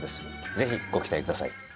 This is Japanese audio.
ぜひご期待ください。